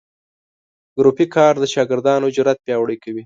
ګروپي کار د شاګردانو جرات پیاوړي کوي.